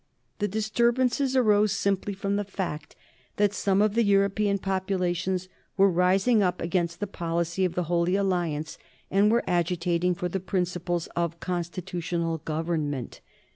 The disturbances arose simply from the fact that some of the European populations were rising up against the policy of the Holy Alliance, and were agitating for the principles of constitutional government.